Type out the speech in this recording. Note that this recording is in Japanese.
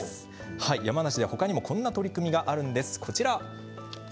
山梨では他にもこんな取り組みがあります。